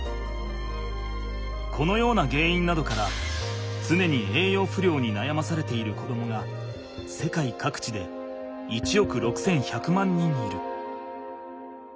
このようなげんいんなどからつねに栄養不良になやまされている子どもが世界各地で１億６，１００万人いる。